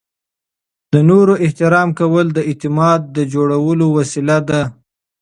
د نورو احترام کول د اعتماد جوړولو وسیله ده.